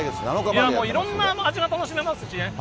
いろんな味が楽しめますしね。